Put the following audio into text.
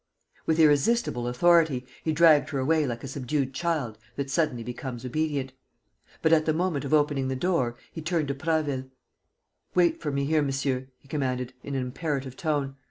With irresistible authority, he dragged her away like a subdued child that suddenly becomes obedient; but, at the moment of opening the door, he turned to Prasville: "Wait for me here, monsieur," he commanded, in an imperative tone.